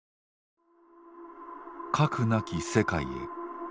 「核なき世界」へ。